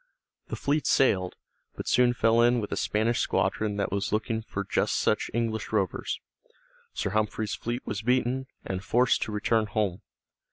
The fleet sailed, but soon fell in with a Spanish squadron that was looking for just such English rovers. Sir Humphrey's fleet was beaten, and forced to return home.